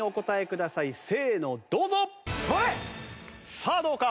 さあどうか？